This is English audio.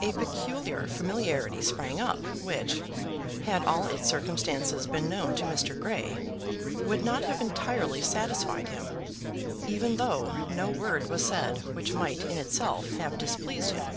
A peculiar familiarity sprang up, which, had all its circumstances been known to Mr. Grey, would not have entirely satisfied him, even though no word was said which might in itself have displeased him.